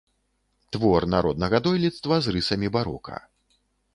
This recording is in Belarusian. Твор народнага дойлідства з рысамі барока.